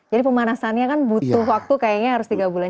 jadi pemanasannya kan butuh waktu kayaknya harus tiga bulan